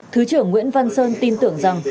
thứ trưởng nguyễn văn sơn tin tưởng rằng